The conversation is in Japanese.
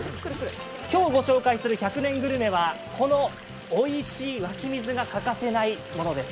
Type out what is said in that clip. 今日ご紹介する１００年グルメはこのおいしい湧き水が欠かせないものです。